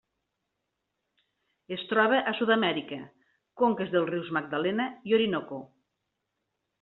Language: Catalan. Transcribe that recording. Es troba a Sud-amèrica: conques dels rius Magdalena i Orinoco.